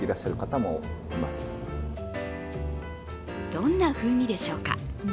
どんな風味でしょうか。